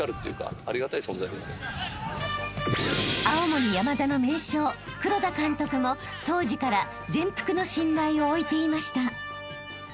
［青森山田の名将黒田監督も当時から全幅の信頼を置いていました］